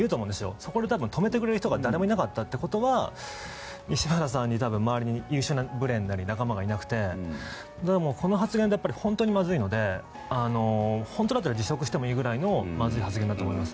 そこで止めてくれる人が誰もいなかったということは西村さんの周りに優秀なブレーンなり仲間がいなくてこの発言って本当にまずいので本当だったら辞職していいくらいのまずい発言だと思います。